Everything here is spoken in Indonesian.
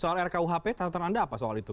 soal rkuhp tata tanda apa soal itu